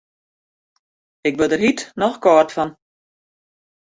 Ik wurd der hjit noch kâld fan.